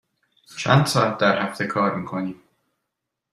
چند ساعت در هفته کار می کنی؟